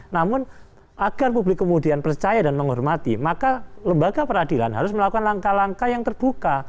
namun agar publik kemudian percaya dan menghormati maka lembaga peradilan harus melakukan langkah langkah yang terbuka